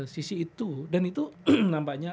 sisi itu dan itu nampaknya